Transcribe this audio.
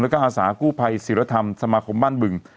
และการอาสาหกู้ภัยศิรษฐรรมสมาคมบ้านบึง